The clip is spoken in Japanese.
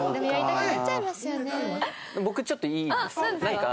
僕ちょっといいですか？